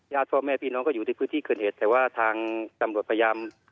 พ่อแม่พี่น้องก็อยู่ในพื้นที่เกิดเหตุแต่ว่าทางตำรวจพยายาม